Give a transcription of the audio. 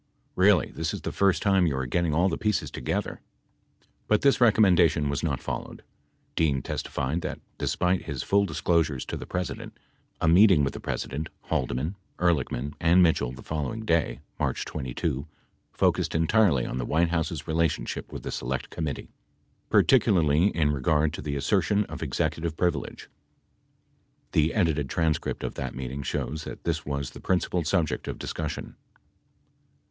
Really, this is the first time you are getting all the pieces together, [pp. 203 4.] But this recommendation was not followed. Dean testified that, despite his full disclosures to the President, a meeting with the Presi dent, Hal deman, Ehrlichman and Mitchell the following day, March 22, focused entirely on the White House's relationship with the Select Committee, particularly in regard to the assertion of executive privilege. The edited transcript of that meeting shows that this was the principal subject of discussion.